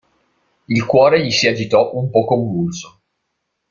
Il cuore gli si agitò un po' convulso.